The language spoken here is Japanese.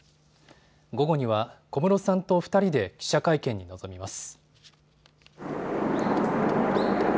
午後には小室さんと２人で記者会見に臨みます。